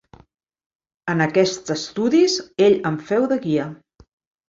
En aquests estudis, ell em feu de guia.